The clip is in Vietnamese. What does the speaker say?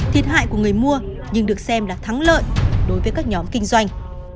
thiệt hại của người mua nhưng được xem là thắng lợi đối với các nhóm kinh doanh